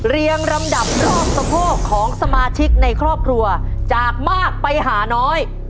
เรียงลำดับรอบสะโพกของสมาชิกในครอบครัวจากมากไปหาน้อย